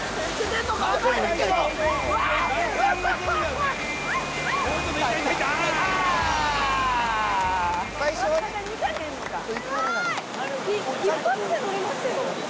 すごーい、一発で乗れましたよ。